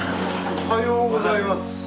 おはようございます。